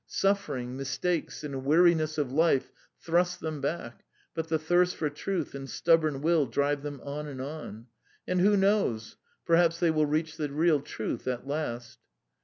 Suffering, mistakes, and weariness of life thrust them back, but the thirst for truth and stubborn will drive them on and on. And who knows? Perhaps they will reach the real truth at last."